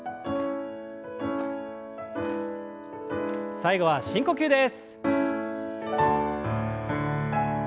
最後は深呼吸です。